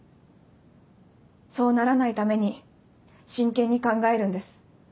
そうならないために真剣に考えるんです。